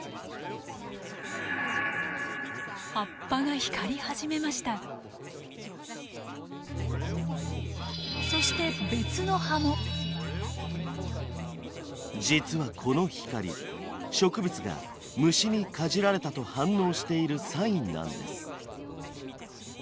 葉っぱが光り始めましたそして別の葉も実はこの光植物が虫にかじられたと反応しているサインなんです。